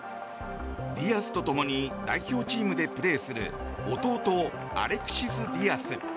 ディアスと共に代表チームでプレーする弟、アレクシス・ディアス。